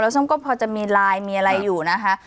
ฉันก็พอจะมีไลน์มีอะไรอยู่นะคะ